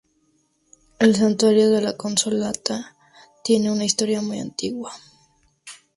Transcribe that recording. El Santuario de la Consolata tiene una historia muy antigua.